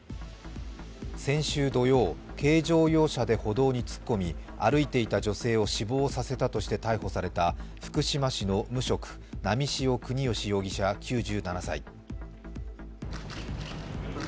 先週土曜、軽乗用車で歩道に突っ込み歩いていた女性を死亡させたとして逮捕された福島市の無職、波汐國芳容疑者９７歳。